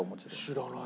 知らない。